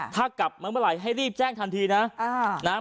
ถ้ากลับมาเมื่อไหร่ให้รีบแจ้งทันทีนะ